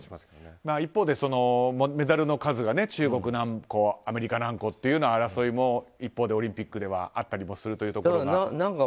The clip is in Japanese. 一方で、メダルの数が中国何個、アメリカ何個という争いも、一方でオリンピックではあったりするということで。